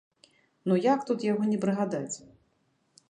Ну як тут яго не прыгадаць!